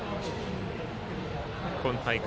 今大会